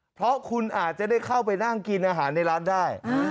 เพราะคุณอาจจะได้เข้าไปนั่งกินอาหารในร้านได้